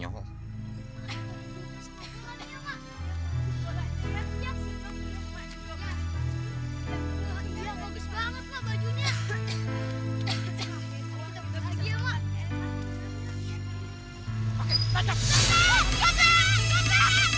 jangan ya mak